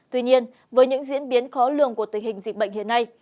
tuy nhiên với những diễn biến khó lường của tình hình dịch bệnh hiện nay